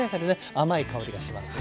甘い香りがしますね。